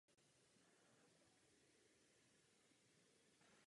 Cílem je mimo zabití těchto osob i zajištění disku s daty.